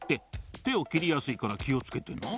てをきりやすいからきをつけてな。